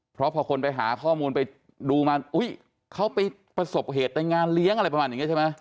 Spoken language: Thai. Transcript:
เพราะพอคนไปหาข้อมูลไปดูมาอุ๊ยเขาไปประสบเหตุในงานเลี้ยงอะไรประมาณอย่างนี้ใช่ไหม